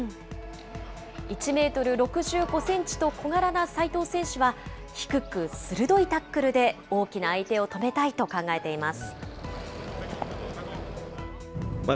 １メートル６５センチと小柄な齋藤選手は、低く鋭いタックルで大きな相手を止めたいと考えています。